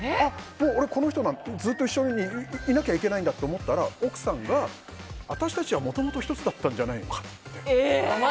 俺、この人とずっと一緒にいなきゃいけないんだと思ったら奥さんが私たちはもともと１つだったんじゃないのかって。